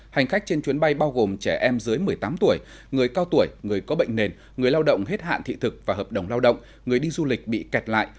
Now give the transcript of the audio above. hành khách trên chuyến bay bao gồm trẻ em dưới một mươi tám tuổi người cao tuổi người có bệnh nền người lao động hết hạn thị thực và hợp đồng lao động người đi du lịch bị kẹt lại